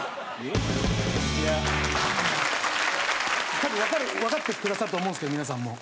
たぶんわかってくださると思うんですけど皆さんも。